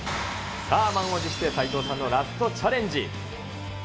さあ、満を持して、斉藤さんのラストチャレンジ。